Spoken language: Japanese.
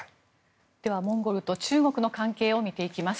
ではモンゴルと中国の関係を見ていきます。